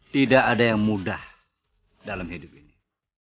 tidak ada yang mudah dalam hidup ini